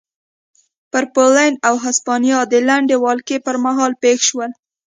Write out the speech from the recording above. پر پولنډ او هسپانیا د لنډې ولکې پرمهال پېښ شول.